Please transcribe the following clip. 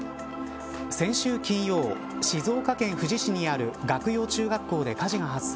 先週金曜静岡県富士市にある岳陽中学校で火事が発生。